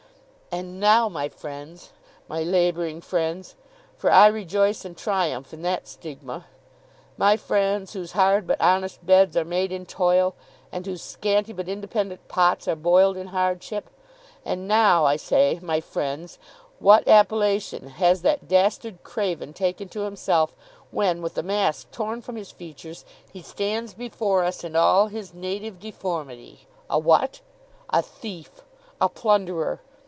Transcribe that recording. And now, my friends—my labouring friends, for I rejoice and triumph in that stigma—my friends whose hard but honest beds are made in toil, and whose scanty but independent pots are boiled in hardship; and now, I say, my friends, what appellation has that dastard craven taken to himself, when, with the mask torn from his features, he stands before us in all his native deformity, a What? A thief! A plunderer!